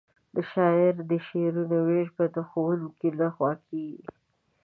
د شاعرانو د شعرونو وېش به د ښوونکي له خوا کیږي.